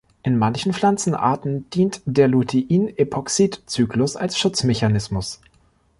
In manchen Pflanzenarten dient der Lutein-Epoxidzyklus als Schutzmechanismus.